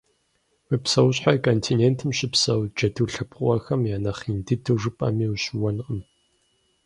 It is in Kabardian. Мы псэущхьэр континентым щыпсэу джэду лъэпкъыгъуэхэм я нэхъ ин дыдэу жыпӏэми, ущыуэнкъым.